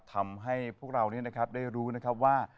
ทำให้พวกเรานี่นะครับได้รู้นะครับว่า